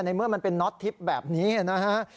เมื่อมันเป็นน็อตทิพย์แบบนี้นะฮะ